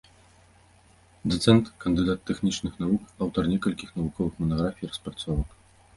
Дацэнт, кандыдат тэхнічных навук, аўтар некалькіх навуковых манаграфій і распрацовак.